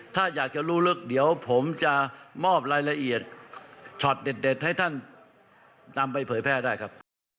ถ้าอยากจะรู้ลึกเดี๋ยวผมจะมอบรายละเอียดช็อตเด็ดให้ท่านนำไปเผยแพร่ได้ครับ